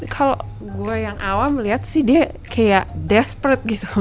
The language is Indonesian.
kalau gue yang awal melihat sih dia kayak desperate gitu